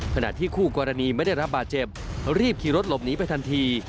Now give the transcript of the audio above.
ขณะที่คู่กรณีไม่ได้รับบาดเจ็บรีบขี่รถหลบหนีไปทันที